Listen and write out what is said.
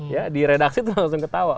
ya di redaksi itu langsung ketawa